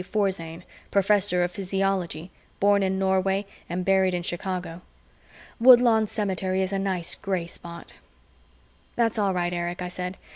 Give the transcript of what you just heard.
Forzane, professor of physiology, born in Norway and buried in Chicago. Woodlawn Cemetery is a nice gray spot. "That's all right, Erich," I said.